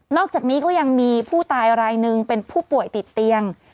อกจากนี้ก็ยังมีผู้ตายรายหนึ่งเป็นผู้ป่วยติดเตียง